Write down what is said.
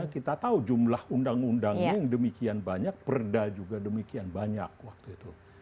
kita tahu jumlah undang undangnya yang demikian banyak perda juga demikian banyak waktu itu